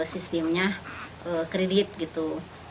sistemnya kredit gitu